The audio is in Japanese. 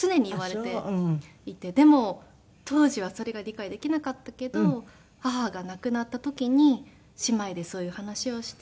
でも当時はそれが理解できなかったけど母が亡くなった時に姉妹でそういう話をして。